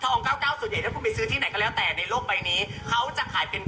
องเก้าเก้าส่วนใหญ่ถ้าคุณไปซื้อที่ไหนก็แล้วแต่ในโลกใบนี้เขาจะขายเป็น